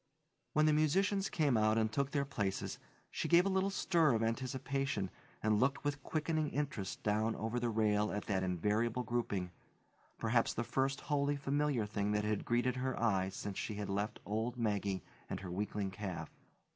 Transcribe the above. When the musicians came out and took their places, she gave a little stir of anticipation and looked with quickening interest down over the rail at that invariable grouping, perhaps the first wholly familiar thing that had greeted her eye since she had left old Maggie and her weakling calf.